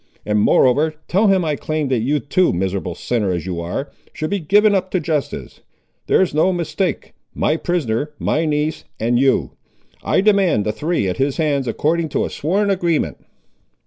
And, moreover, tell him I claim that you, too, miserable sinner as you ar', should be given up to justice. There's no mistake. My prisoner, my niece, and you. I demand the three at his hands, according to a sworn agreement."